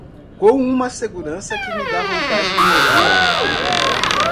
com uma segurança que me dá vontade de morrer cantando.